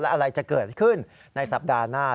อะไรจะเกิดขึ้นในสัปดาห์หน้า